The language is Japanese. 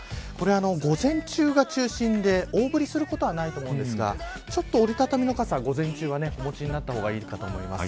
午前中が中心で大降りすることはないと思うんですが折り畳みの傘を午前中はお持ちになった方がいいかもしれません。